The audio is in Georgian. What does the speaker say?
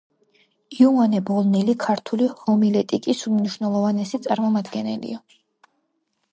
იოანე ბოლნელი ქართული ჰომილეტიკის უმნიშვნელოვანესი წარმომადგენელია.